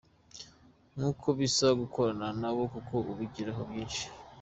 Ntako bisa gukorana nabo kuko ubigiraho byinshi".